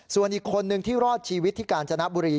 ส่วนอีกคนนึงที่รอดชีวิตที่กาญจนบุรี